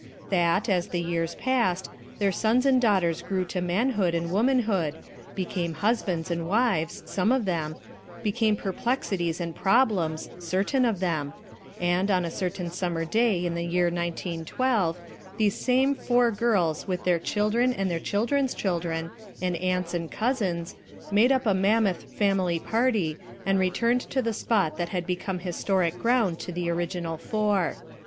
That, as the years passed, their sons and daughters grew to man hood and womanhood, became husbands and wives, — some of them, — became perplexities and problems — certain of them — and, on a certain summer day in the year 1912, those same "Four Girls" with their children and their children's children, and aunts and cousins, made nj> a FOREWORD mammoth "family party" and returned to the spot that had become historic ground to the original four.